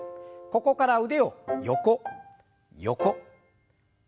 ここから腕を横横前前。